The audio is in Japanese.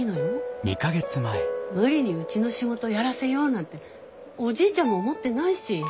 無理にうちの仕事やらせようなんておじいちゃんも思ってないし。